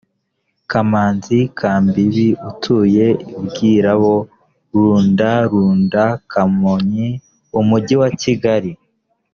kamanzi kambibi utuye bwirabo runda runda kamonyiumujyi wa kigali